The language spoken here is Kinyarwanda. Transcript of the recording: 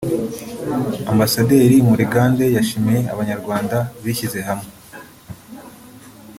Ambasaderi Murigande yashimiye Abanyarwanda bishyize hamwe